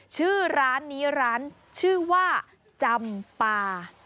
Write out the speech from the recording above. ชื่อร้านนี้ร้านชื่อว่าจำปา